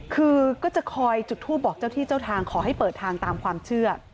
คือก็จะคอยจุดทูปบอกเจ้าที่เจ้าทางขอให้เปิดทางตามความเชื่อ